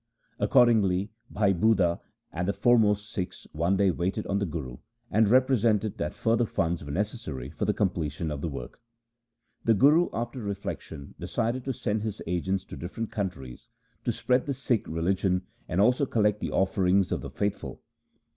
Ac cordingly Bhai Budha and the foremost Sikhs one day waited on the Guru and represented that further funds were necessary for the completion of the work. The Guru, after reflection, decided to send his agents to different countries to spread the Sikh religion and also collect the offerings of the faithful.